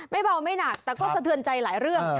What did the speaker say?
ไม่เบาไม่หนักแต่ก็สะเทือนใจหลายเรื่อง